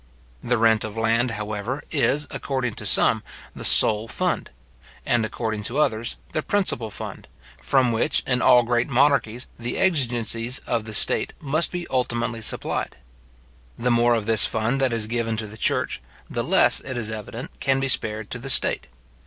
The rent of land, however, is, according to some, the sole fund; and, according to others, the principal fund, from which, in all great monarchies, the exigencies of the state must be ultimately supplied. The more of this fund that is given to the church, the less, it is evident, can be spared to the state.